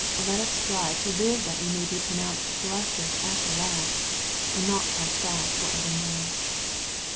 Let us strive to live that we may be pronounced " blessed" at the last, and not cast off for evermore.